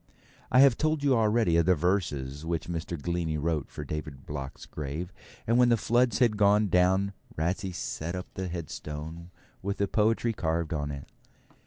I have told you already of the verses which Mr. Glennie wrote for David Block's grave; and when the floods had gone down Ratsey set up the headstone with the poetry carved on it.